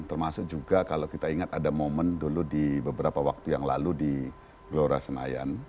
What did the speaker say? termasuk juga kalau kita ingat ada momen dulu di beberapa waktu yang lalu di gelora senayan